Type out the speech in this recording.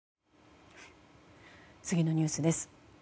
次のニュースです。